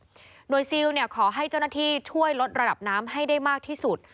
หน่วยซิลขอให้เจ้าหน้าที่ช่วยลดระดับน้ำให้ได้มากที่สุด